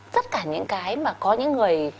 tất cả những cái mà có những người